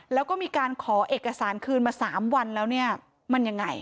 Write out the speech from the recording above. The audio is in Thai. แล้วก็มีการขอเอกสารคืนมา๓วันแล้วเนี่ยมันยังไง